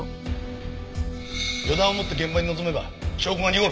予断を持って現場に臨めば証拠が濁る。